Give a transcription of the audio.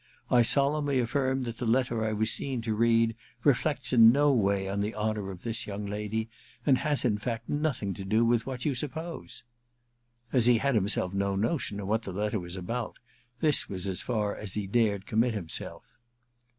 I solemnly affirm that the letter I was seen to read reflects, in no way on the honour of this young lady, and has in fact nothing to do with what you suppose.* As he had himself no notion what the letter was about, this was as far as he dared commit himself.